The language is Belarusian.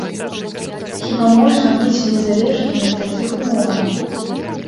Хіба можна быць незалежнымі ў такіх умовах?